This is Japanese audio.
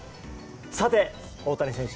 さて、大谷選手